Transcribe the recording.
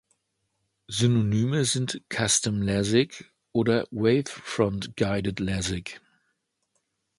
Synonyme sind Custom-Lasik oder wavefront-guided Lasik.